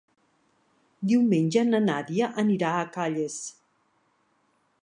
Diumenge na Nàdia anirà a Calles.